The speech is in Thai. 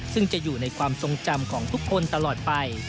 ซึ่งจะอยู่ในความทรงจำของทุกคนตลอดไป